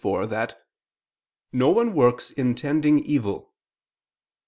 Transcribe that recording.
iv) that "no one works intending evil."